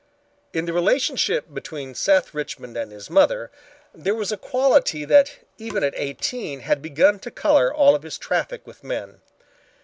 In the relationship between Seth Richmond and his mother, there was a quality that even at eighteen had begun to color all of his traffic with men.